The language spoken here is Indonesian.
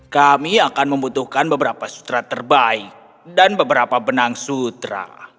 kami akan membutuhkan beberapa sutra terbaik dan beberapa benang sutra